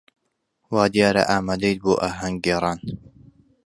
وا دیارە ئامادەیت بۆ ئاهەنگگێڕان.